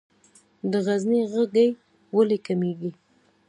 د غزني غزې ولې کمیږي؟